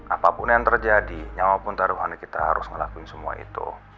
apapun yang terjadi nyamapun taruhan kita harus ngelakuin semua itu